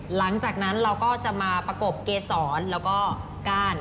หลังจากนั้นเราก็จะมาประกบเกษรแล้วก็ก้าน